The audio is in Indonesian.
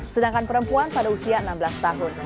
sedangkan perempuan pada usia enam belas tahun